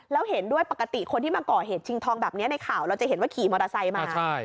แล้วเห็นด้วยปกติคนที่มาก่อเหตุชิงทองแบบนี้ในข่าวเราจะเห็นว่าขี่มอเตอร์ไซค์มา